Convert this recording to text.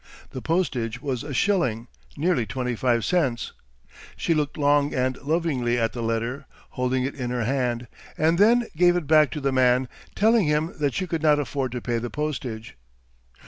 The postage was a shilling, nearly twenty five cents. She looked long and lovingly at the letter, holding it in her hand, and then gave it back to the man, telling him that she could not afford to pay the postage.